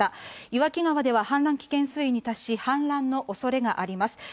岩木川が氾濫危険水位に達し、氾濫のおそれがあります。